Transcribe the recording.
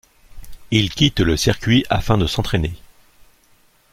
Il quitte le circuit afin de s'entraîner.